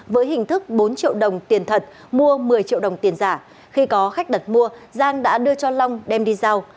với hình thức bốn triệu đồng tiền thật mua một mươi triệu đồng tiền giả khi có khách đặt mua giang đã đưa cho long đem đi giao